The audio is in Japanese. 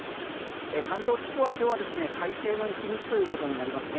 関東地方は今日は快晴の１日ということになりますね。